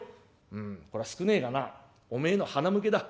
うんこれは少ねえがなおめえへのはなむけだ。